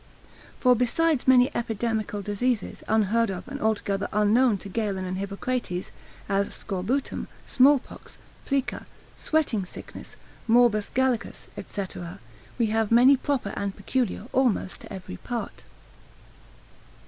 For besides many epidemical diseases unheard of, and altogether unknown to Galen and Hippocrates, as scorbutum, small pox, plica, sweating sickness, morbus Gallicus, &c., we have many proper and peculiar almost to every part.